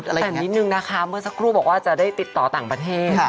อย่างนิดนึงนะคะเมื่อสักครู่บอกว่าจะได้ติดต่อต่างประเทศ